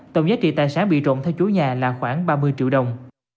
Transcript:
tổng giá trị tài sản bị trộm theo chủ nhà là khoảng ba mươi triệu đồng